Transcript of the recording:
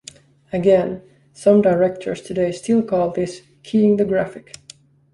Again, some directors today still call this "keying the graphic".